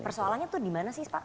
persoalannya itu dimana sih pak